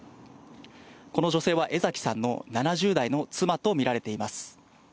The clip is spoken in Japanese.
この女性は江ざきさんの７０代の妻と見られています。